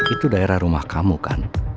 itu daerah rumah kamu kan